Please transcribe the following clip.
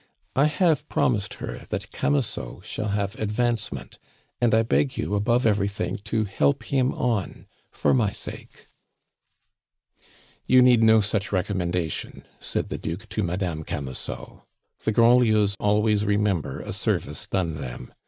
I have promised that her Camusot shall have advancement, and I beg you above everything to help him on, for my sake." "You need no such recommendation," said the Duke to Madame Camusot. "The Grandlieus always remember a service done them.